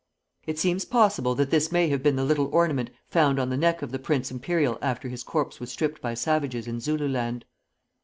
It seems possible that this may have been the little ornament found on the neck of the Prince Imperial after his corpse was stripped by savages in Zululand.